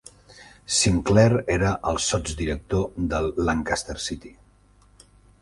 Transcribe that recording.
Sinclair era el sotsdirector del Lancaster City.